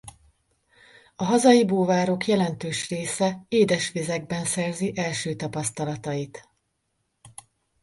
A hazai búvárok jelentős része édesvizekben szerzi első tapasztalatait.